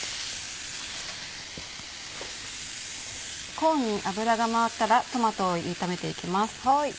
コーンに油が回ったらトマトを炒めていきます。